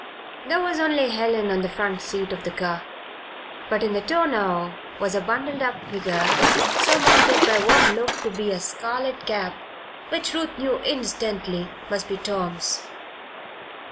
There was only Helen on the front seat of the car; but in the tonneau was a bundled up figure surmounted by what looked to be a scarlet cap which Ruth knew instantly must be Tom's.